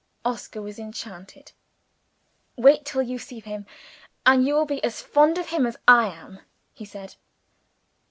Oscar was enchanted. "Wait till you see him, and you will be as fond of him as I am," he said.